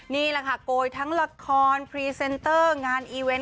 นี่แหละค่ะโกยทั้งละครพรีเซนเตอร์งานอีเวนต์